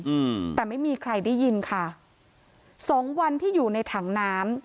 อืมแต่ไม่มีใครได้ยินค่ะสองวันที่อยู่ในถังน้ำ